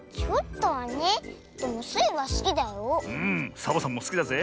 サボさんもすきだぜ。